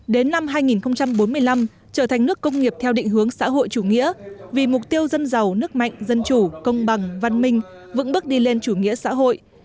đến năm hai nghìn bốn mươi năm trở thành nước công nghiệp theo định hướng xã hội chủ nghĩa vì mục tiêu dân giàu nước mạnh dân chủ công bằng văn minh vững bước đi lên chủ nghĩa xã hội